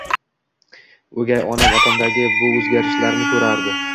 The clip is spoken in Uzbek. O'gay onam otamdagi bu o'zgarishni ko'rardi